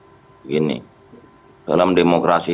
begini dalam demokrasi